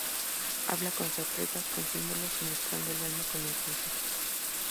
Habla con sorpresas, con símbolos, y mezclando el alma con el paisaje.